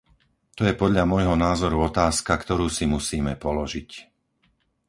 To je podľa môjho názoru otázka, ktorú si musíme položiť.